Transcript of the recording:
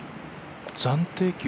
暫定球？